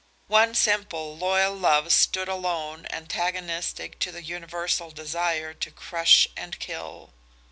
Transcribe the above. One simple, loyal love stood alone antagonistic to the universal desire to crush and kill.